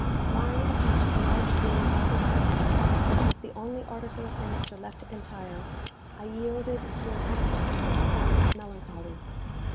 Lying upon a large green velvet sofa, which was the only article of furniture left entire, I yielded to an access of the profoundest melancholy.